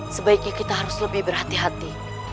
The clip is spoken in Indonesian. sebaiknya kita harus lebih berhati hati